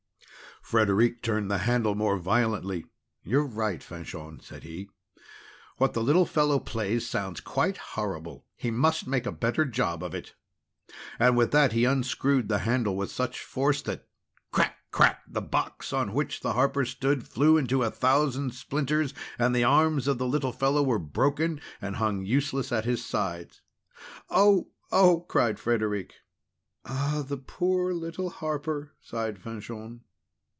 _" Frederic turned the handle more violently. "You're right, Fanchon," said he. "What the little fellow plays sounds quite horrible. He must make a better job of it!" And with that he unscrewed the handle with such force, that crack! crack! the box on which the harper stood flew into a thousand splinters, and the arms of the little fellow were broken and hung useless at his sides. "Oh! Oh!" cried Frederic. "Ah, the poor little harper!" sighed Fanchon.